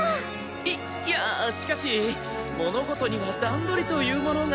いいやしかし物事には段取りというものが。